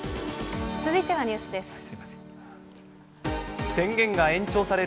続いてはニュースです。